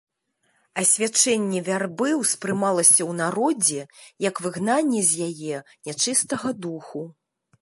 Асвячэнне вярбы ўспрымалася ў народзе як выгнанне з яе нячыстага духу.